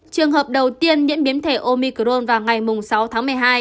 trường hợp đầu tiên nhiễm biến thể omicron vào ngày sáu tháng một mươi hai